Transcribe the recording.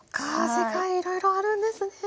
世界いろいろあるんですね。